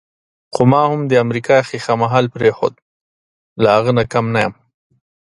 خو ما هم د امریکا ښیښه محل پرېښود، له هغه نه کم نه یم.